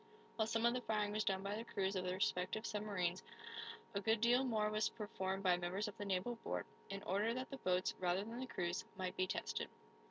While some of the firing was done by the crews of the respective submarines, a good deal more was performed by members of the naval board, in order that the boats, rather than the crews, might be tested.